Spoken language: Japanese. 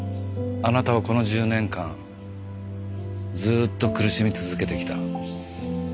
あなたはこの１０年間ずっと苦しみ続けてきた。